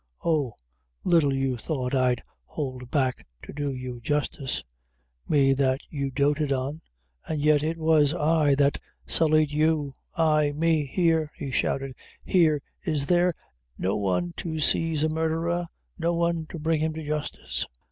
Oh, little you thought I'd hould back to do you justice me that you doted on an' yet it was I that sullied you I! me! Here," he shouted "here, is there no one to saize a murdherer! no one to bring him to justice!"